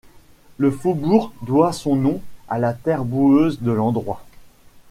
Le faubourg doit son nom à la terre boueuse de l'endroit.